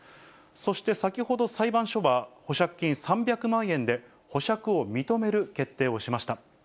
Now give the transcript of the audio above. そして、先ほど裁判所は保釈金３００万円で保釈を認める決定をしました。